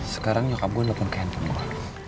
sekarang nyokap gua nelfon ke handphone gua